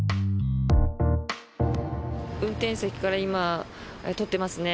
運転席から今、撮ってますね。